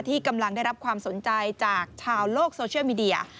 กำลังได้รับความสนใจจากชาวโลกโซเชียลมีเดีย